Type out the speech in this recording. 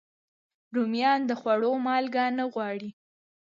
رومیان د خوړو مالګه نه غواړي